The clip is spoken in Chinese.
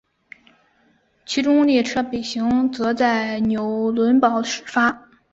其中列车北行则在纽伦堡始发。